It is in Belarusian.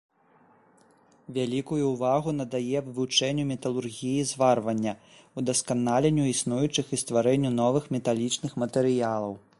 Вялікую ўвагу надае вывучэнню металургіі зварвання, удасканаленню існуючых і стварэнню новых металічных матэрыялаў.